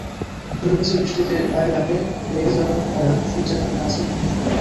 মনে হচ্ছে, বৃষ্টিতে পায়ে লেগে যাওয়া কাদা সূর্যের তাপে আজই মাত্র শুকাল।